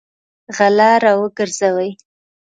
غله راوګرځوئ!